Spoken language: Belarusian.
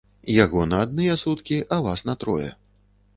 Яго на адныя суткі, а вас на трое.